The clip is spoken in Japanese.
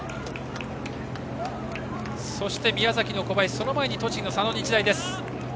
そして宮崎の小林その前に栃木の佐野日大。